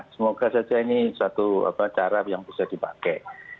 semoga saja ini suatu cara yang bisa dipakai